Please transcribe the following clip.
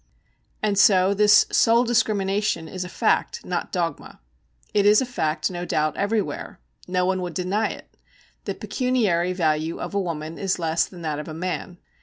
And so this sole discrimination is a fact, not dogma. It is a fact, no doubt, everywhere. No one would deny it. The pecuniary value of a woman is less than that of a man.